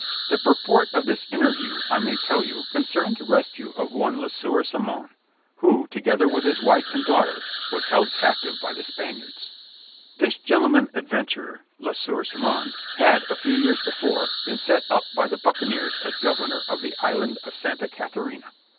The purport of this interview, I may tell you, concerned the rescue of one Le Sieur Simon, who, together with his wife and daughter, was held captive by the Spaniards. This gentleman adventurer (Le Sieur Simon) had, a few years before, been set up by the buccaneers as governor of the island of Santa Catharina.